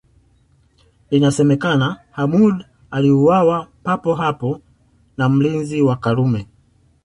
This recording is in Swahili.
Inasemekana Hamoud aliuawa papo hapo na mlinzi wa Karume